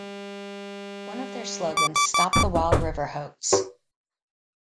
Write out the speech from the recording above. One of their slogans, Stop the 'Wild River' Hoax!